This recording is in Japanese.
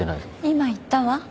今言ったわ。